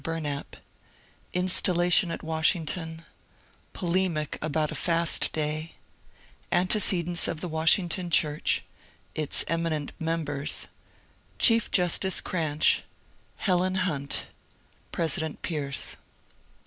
Bnmap — Installation at Washington — Polemic abont a Fast Day — Antecedents of the Washington chnroh — Its eminent members — Chief Justice Cranch — Helen Hnnt — Prosident Pierce.